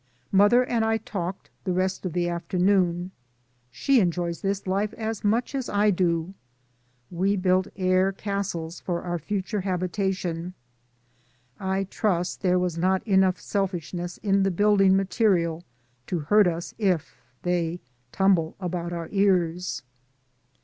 Mother and I talked the rest of the afternoon, she enjoys this life as much as I do; we built DAYS ON THE ROAD. 21 air castles for our future habitation; I trust there was not enough selfishness in the build ing material to hurt us if they tumble about our ears.